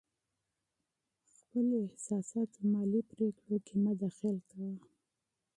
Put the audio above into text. خپل احساسات په مالي پرېکړو کې مه دخیل کوه.